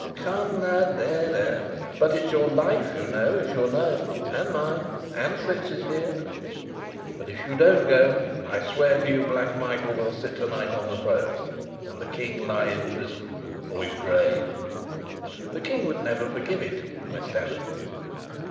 "Come, lad, there, there; but it's your life, you know, if you're known and mine and Fritz's here. But, if you don't go, I swear to you Black Michael will sit tonight on the throne, and the King lie in prison or his grave." "The King would never forgive it," I stammered.